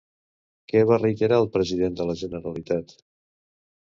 Què va reiterar el president de la Generalitat?